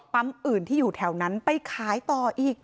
อื่นที่อยู่แถวนั้นไปขายต่ออีก